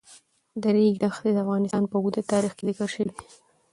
د ریګ دښتې د افغانستان په اوږده تاریخ کې ذکر شوی دی.